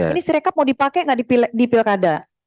ini si rekap mau dipakai gak dipilkada